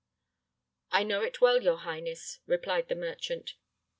"I know it well, your highness," replied the merchant.